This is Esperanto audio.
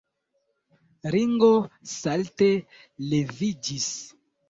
Ringo salte leviĝis.